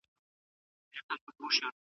زه مخکي انځور ليدلی و!!